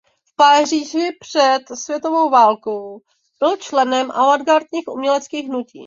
V Paříži před první světovou válkou byl členem avantgardních uměleckých hnutí.